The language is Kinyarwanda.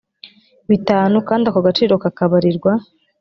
bitanu kandi ako gaciro kakabarirwa